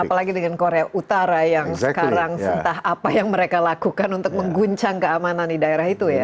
apalagi dengan korea utara yang sekarang entah apa yang mereka lakukan untuk mengguncang keamanan di daerah itu ya